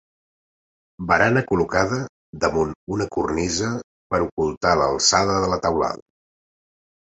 Barana col·locada damunt una cornisa per a ocultar l'alçada de la teulada.